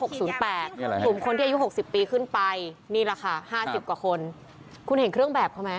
กลุ่มคนที่อายุ๖๐ปีขึ้นไปนี่แหละค่ะ๕๐กว่าคนคุณเห็นเครื่องแบบเขาไหม